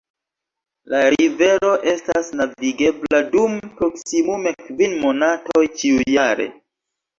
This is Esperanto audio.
La rivero estas navigebla dum proksimume kvin monatoj ĉiujare.